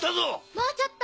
もうちょっと。